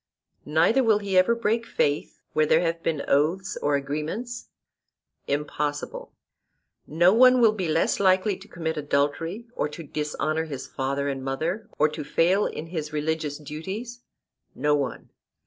Neither will he ever break faith where there have been oaths or agreements? Impossible. No one will be less likely to commit adultery, or to dishonour his father and mother, or to fail in his religious duties? No one.